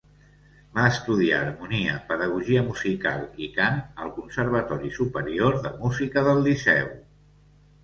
Va estudiar harmonia, pedagogia musical i cant al Conservatori Superior de Música del Liceu.